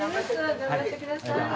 頑張ってください。